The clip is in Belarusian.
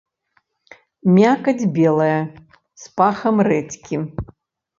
Мякаць белая, з пахам рэдзькі.